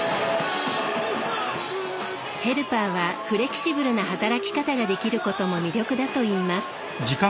ヘルパーはフレキシブルな働き方ができることも魅力だといいます。